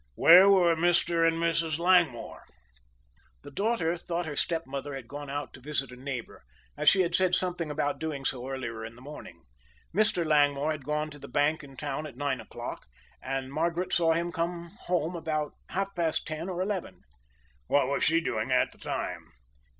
"Where were Mr. and Mrs. Langmore?" "The daughter thought her stepmother had gone out to visit a neighbor, as she had said something about doing so earlier in the morning. Mr. Langmore had gone to the bank in town at nine o'clock and Margaret saw him come home about half past ten or eleven." "What was she doing at the time?"